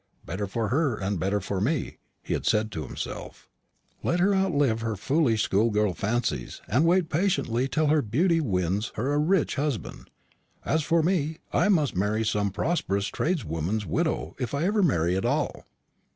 "Better for her, and better for me," he had said to himself: "let her outlive her foolish schoolgirl fancies, and wait patiently till her beauty wins her a rich husband. As for me, I must marry some prosperous tradesman's widow, if I ever marry at all."